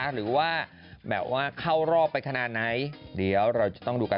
หรือว่าแบบว่าเข้ารอบไปขนาดไหนเดี๋ยวเราจะต้องดูกัน